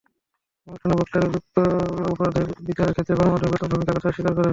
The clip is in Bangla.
অনুষ্ঠানে বক্তারা যুদ্ধাপরাধের বিচারের ক্ষেত্রে গণমাধ্যমের গুরুত্বপূর্ণ ভূমিকার কথা স্বীকার করেন।